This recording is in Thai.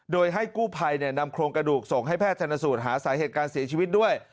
โดยให้กู้ภัยนำโครงกระดูกส่งให้แพทย์ชนสูตรหาสาเหตุการเสียชีวิตด้วย